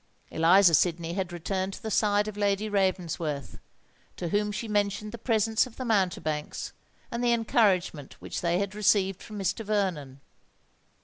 Eliza Sydney had returned to the side of Lady Ravensworth, to whom she mentioned the presence of the mountebanks and the encouragement which they had received from Mr. Vernon.